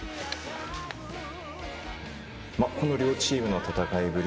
この両チームの戦いぶり